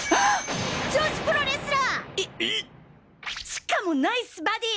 しかもナイスバディー！